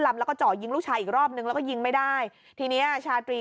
ลำแล้วก็เจาะยิงลูกชายอีกรอบนึงแล้วก็ยิงไม่ได้ทีเนี้ยชาตรี